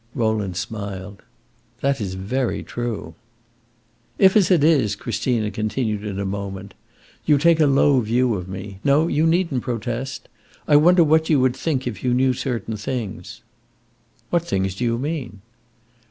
Rowland smiled. "That is very true." "If, as it is," Christina continued in a moment, "you take a low view of me no, you need n't protest I wonder what you would think if you knew certain things." "What things do you mean?"